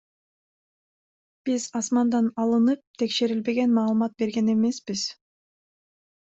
Биз асмандан алынып, текшерилбеген маалымат берген эмеспиз.